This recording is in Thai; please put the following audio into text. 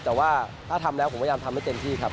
แต่ว่าถ้าทำแล้วผมพยายามทำให้เต็มที่ครับ